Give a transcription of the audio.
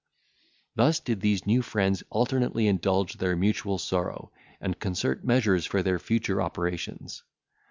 Thus did these new friends alternately indulge their mutual sorrow, and concert measures for their future operations.